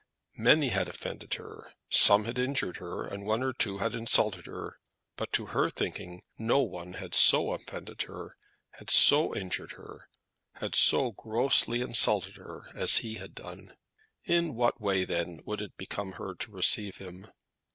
Many had offended her, some had injured her, one or two had insulted her; but to her thinking, no one had so offended her, had so injured her, had so grossly insulted her, as he had done. In what way then would it become her to receive him?